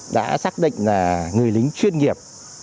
đã xác định là người lính chuyên nghiệp